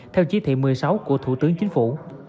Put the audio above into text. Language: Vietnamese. theo chỉ thị một mươi sáu của thủ tướng chính phủ